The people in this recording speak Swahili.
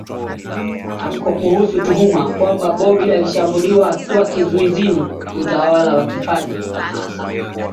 tamko kuhusu tuhuma kwamba Bobi alishambuliwa akiwa kizuizini Utawala ni kipaji na hasa